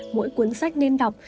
mỗi cuốn sách nên đọc